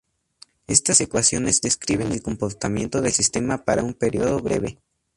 Estas ecuaciones describen el comportamiento del sistema para un período breve.